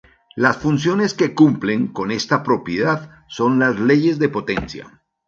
Las funciones que cumplen con esta propiedad son las leyes de potencia.